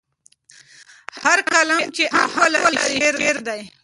هر کلام چې آهنګ ولري، شعر دی.